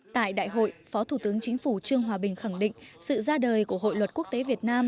tại đại hội phó thủ tướng chính phủ trương hòa bình khẳng định sự ra đời của hội luật quốc tế việt nam